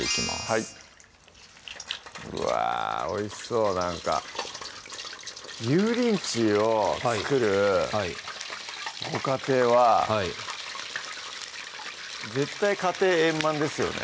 はいうわおいしそうなんか油淋鶏を作るご家庭ははい絶対家庭円満ですよね